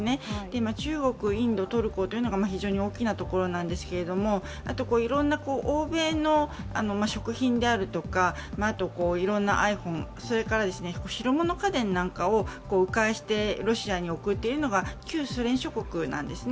今、中国、インド、トルコが非常に大きなところなんですけれども、あと、いろんな欧米の食品であるとか、いろんなｉＰｈｏｎｅ、それから白物家電なんかをう回してロシアに送っているのが旧ソ連諸国なんですね。